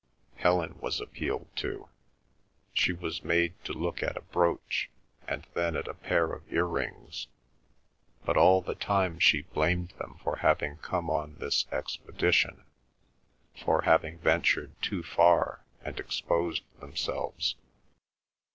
Helen was appealed to. She was made to look at a brooch, and then at a pair of ear rings. But all the time she blamed them for having come on this expedition, for having ventured too far and exposed themselves.